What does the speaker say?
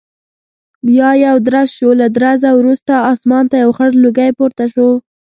بیا یو درز شو، له درزه وروسته اسمان ته یو خړ لوګی پورته شو.